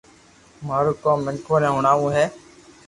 مارو ڪوم مينکو ني ھمجاو ھي